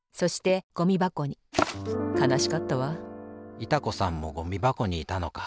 いた子さんもゴミばこにいたのか。